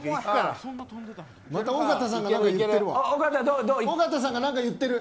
また尾形さんが何か言ってるわ。